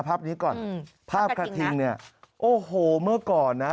ภาพกระทิงนะว่ากระทิงเนี่ยโอ้โหเมื่อก่อนนะ